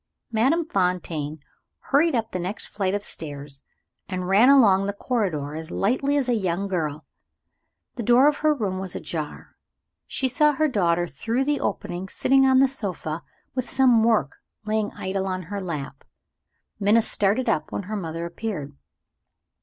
Madame Fontaine hurried up the next flight of stairs, and ran along the corridor as lightly as a young girl. The door of her room was ajar; she saw her daughter through the opening sitting on the sofa, with some work lying idle on her lap. Minna started up when her mother appeared.